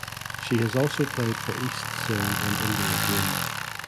She has also played for East Zone and India Green.